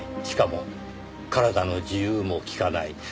しかも体の自由も利かない。